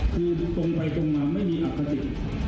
คือตรงไปตรงนั้นไม่มีอัพฤติกษ์